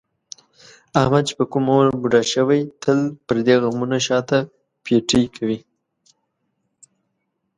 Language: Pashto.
احمد چې په کوم عمر بوډا شوی، تل پردي غمونه شاته پېټی کوي.